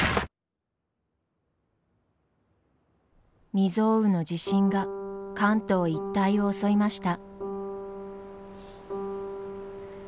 未曽有の地震が関東一帯を襲いました。